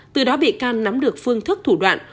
từ đó bị can nắm được phương thức thủ đoạn